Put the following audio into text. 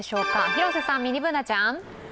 広瀬さん、ミニＢｏｏｎａちゃん。